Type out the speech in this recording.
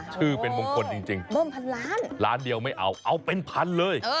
ชื่อเป็นมงคลจริงเบิ้มพันล้านล้านเดียวไม่เอาเอาเป็นพันเลย